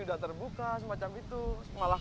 tidak terbuka semacam itu malah